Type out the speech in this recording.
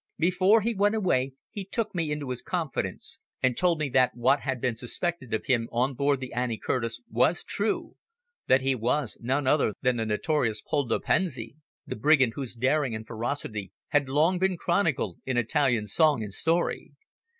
Before he went away he took me into his confidence and told me that what had been suspected of him on board the Annie Curtis was true, that he was none other than the notorious Poldo Pensi, the brigand whose daring and ferocity had long been chronicled in Italian song and story.